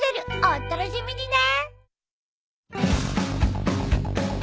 お楽しみにね！